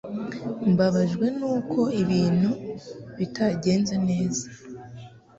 Mbabajwe nuko ibintu bitagenze neza